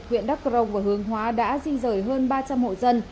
huyện đắk crong và hương hóa đã di dời hơn ba trăm linh hộ dân